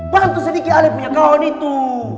bantu sedikit ali punya kawan itu